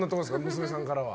娘さんからは。